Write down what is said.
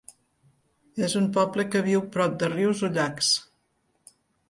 És un poble que viu prop de rius o llacs.